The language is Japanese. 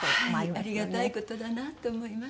ありがたい事だなと思います。